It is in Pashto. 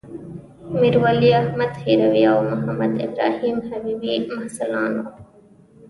میرولی احمد هروي او محمدابراهیم حبيبي محصلان وو.